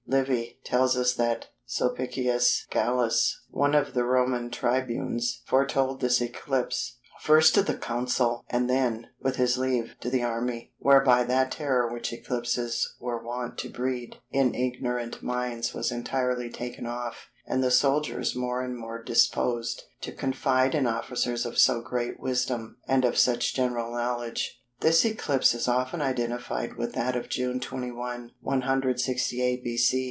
Livy tells us that Sulpicius Gallus, one of the Roman tribunes, foretold this eclipse, first to the Consul and then, with his leave, to the army, whereby that terror which eclipses were wont to breed in ignorant minds was entirely taken off and the soldiers more and more disposed to confide in officers of so great wisdom and of such general knowledge. This eclipse is often identified with that of June 21, 168 B.C.